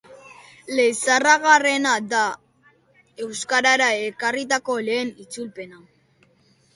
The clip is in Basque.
Leizarragarena da euskarara ekarritako lehen itzulpena.